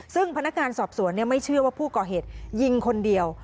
ซึ่งพนักงานสอบสวนไม่เชื่อว่าผู้ก่อเหตุยิงคนเดียว